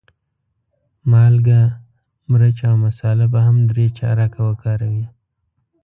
مالګه، مرچ او مساله به هم درې چارکه وکاروې.